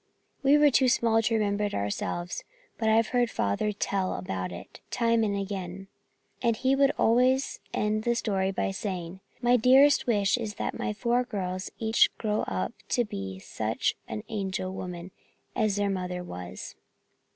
We were too small to remember it ourselves, but I've heard Father tell about it time and again, and he would always end the story by saying, 'My dearest wish is that my four girls each grow up to be just such an angel woman as their mother was.'"